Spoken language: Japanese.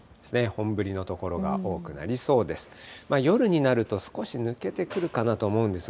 本降りの所が多くなりそうです。